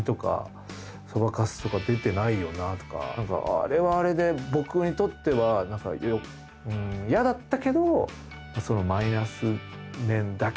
あれはあれで僕にとっては嫌だったけど。